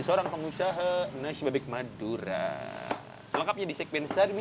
seorang pengusaha nescared madura selangkap pilih segmen sersti